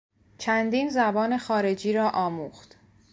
چندین زبان خارجی را آموخت.